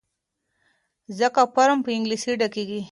ځکه فارم په انګلیسي ډکیږي.